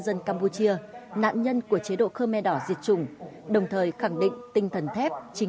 dân campuchia nạn nhân của chế độ khơ me đỏ diệt chủng đồng thời khẳng định tinh thần thép chính